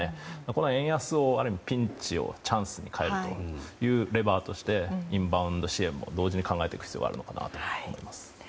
この円安を、ある意味ピンチをチャンスに変えるレバーとしてインバウンド支援も同時に考えていく必要があると思います。